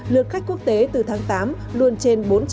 lượt khách quốc tế từ tháng tám luôn trên bốn trăm linh